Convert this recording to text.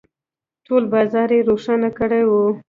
، ټول بازار يې روښانه کړی و.